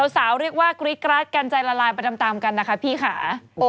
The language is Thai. สาวเรียกว่ากริกราตกันใจละลายประจำตามกันนะคะพี่ค้า